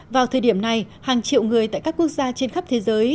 vào thời điểm này hàng triệu người tại các quốc gia trên khắp thế giới